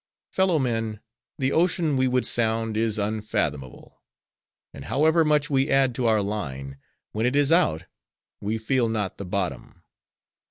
Fellow men; the ocean we would sound is unfathomable; and however much we add to our line, when it is out, we feel not the bottom.